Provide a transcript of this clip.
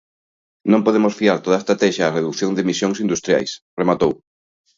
"Non podemos fiar toda a estratexia á redución de emisións industriais", rematou.